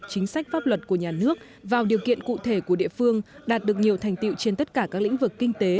chính sách pháp luật của nhà nước vào điều kiện cụ thể của địa phương đạt được nhiều thành tiệu trên tất cả các lĩnh vực kinh tế